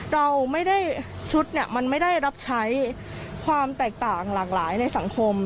เราไม่ได้ชุดเนี่ยมันไม่ได้รับใช้ความแตกต่างหลากหลายในสังคม